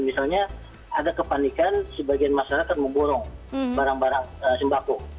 misalnya ada kepanikan sebagian masyarakat memborong barang barang sembako